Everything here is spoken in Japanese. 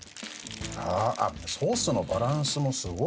ソースのバランスもすごい。